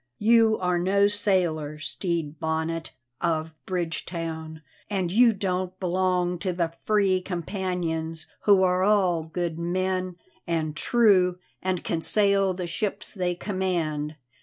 You are no sailor, Stede Bonnet of Bridgetown, and you don't belong to the free companions, who are all good men and true and can sail the ships they command.